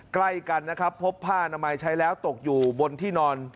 ใกล้กันนะครับพบผ้าอนามัยใช้แล้วตกอยู่บนที่นอน